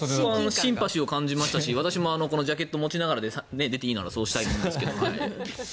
シンパシーを感じましたし私もジャケットを持ちながら出ていいならそうしたいですが。